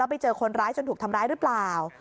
ไปเจอคนร้ายจนถูกทำร้ายหรือเปล่า